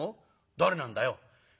「誰なんだよ？」。